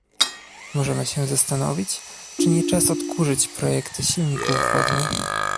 Możemy się zastanowić, czy nie czas odkurzyć projekty silników wodnych